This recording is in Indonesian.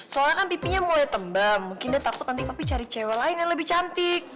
soalnya kan pipinya mulai tembem mungkin udah takut nanti tapi cari cewek lain yang lebih cantik